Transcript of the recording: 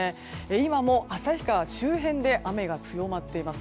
今も旭川周辺で雨が強まっています。